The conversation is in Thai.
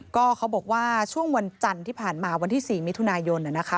ก็เขาบอกว่าช่วงวันจันทร์ที่ผ่านมาวันที่๔มิถุนายนนะคะ